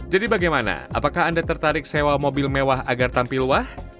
jadi bagaimana apakah anda tertarik sewa mobil mewah agar tampil wah